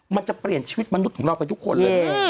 มันจะเปลี่ยนชีวิตมนุษย์ของเราไปทุกคนเลย